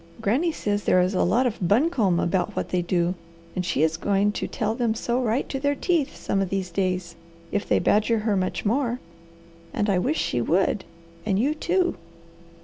Granny says there is 'a lot of buncombe about what they do, and she is going to tell them so right to their teeth some of these days, if they badger her much more,' and I wish she would, and you, too."